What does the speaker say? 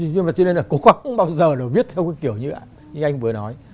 nhưng mà cho nên là cố gắng bao giờ là viết theo cái kiểu như anh vừa nói